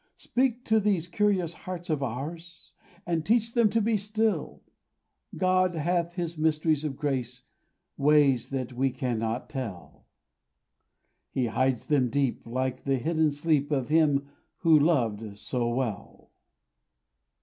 Speak to these curious hearts of ours, And teach them to be still: God hath His mysteries of grace, Ways that we cannot tell; He hides them deep, like the hidden sleep Of him He loved so well.